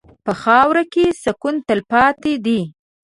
په خاوره کې سکون تلپاتې دی.